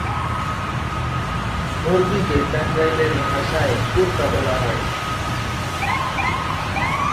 মাছুদাও নির্বাক।